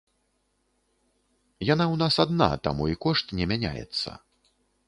Яна ў нас адна, таму і кошт не мяняецца.